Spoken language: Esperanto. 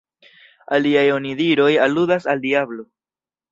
Aliaj onidiroj aludas al diablo.